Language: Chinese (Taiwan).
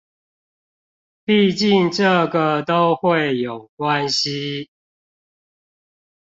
畢竟這個都會有關係